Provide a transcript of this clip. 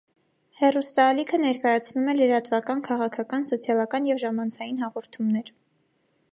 Հեռուստաալիքը ներկայացնում է լրատվական, քաղաքական, սոցիալական և ժամանցային հաղորդումներ։